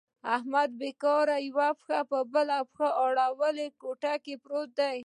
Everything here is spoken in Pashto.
احمد بېکاره یوه پښه په بله اړولې کور پورت دی.